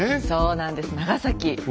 そうなんです長崎。